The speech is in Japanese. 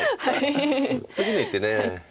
次の一手。